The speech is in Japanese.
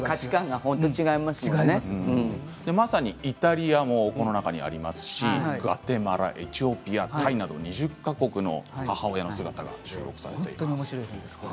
まさにイタリアもこの中にありますし、グアテマラエチオピア、タイなど２０か国の母親の姿が収録されています。